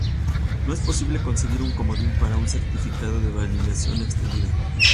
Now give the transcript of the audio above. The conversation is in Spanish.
No es posible conseguir un comodín para un certificado de validación extendida.